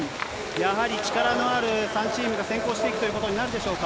やはり力のある３チームが先行していくということになるでしょうか。